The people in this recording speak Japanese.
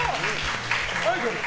アイドル。